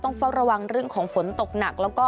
ต้องเฝ้าระวังเรื่องของฝนตกหนัก